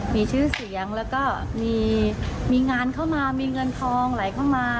มีชื่อเสียงแล้วก็มีงานเข้ามามีเงินทองไหลเข้ามา